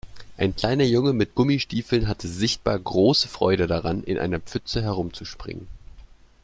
Ein kleiner Junge mit Gummistiefeln hatte sichtbar große Freude daran, in einer Pfütze herumzuspringen.